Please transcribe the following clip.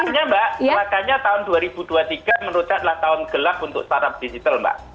makanya mbak makanya tahun dua ribu dua puluh tiga menurut saya adalah tahun gelap untuk startup digital mbak